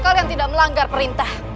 kalian tidak melanggar perintah